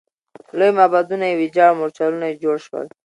لوی معبدونه یې ویجاړ او مورچلونه جوړ شول.